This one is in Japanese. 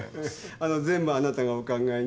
あの全部あなたがお考えに？